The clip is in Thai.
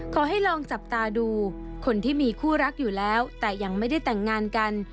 ขอให้ลองจับตาดูคนที่มีคู่รักอยู่แล้วแต่ยังไม่ได้แต่งงานกัน